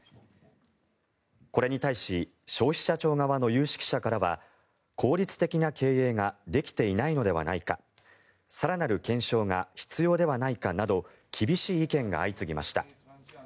これに対し消費者庁側の有識者からは効率的な経営ができていないのではないか更なる検証が必要ではないかなど厳しい意見が相次ぎました。